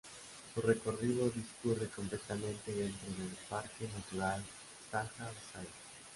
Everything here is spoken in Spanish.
Su recorrido discurre completamente dentro del Parque natural Saja-Besaya.